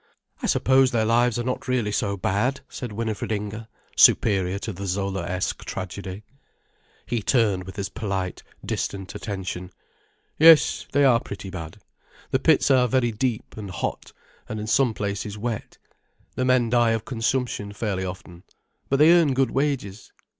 "I suppose their lives are not really so bad," said Winifred Inger, superior to the Zolaesque tragedy. He turned with his polite, distant attention. "Yes, they are pretty bad. The pits are very deep, and hot, and in some places wet. The men die of consumption fairly often. But they earn good wages."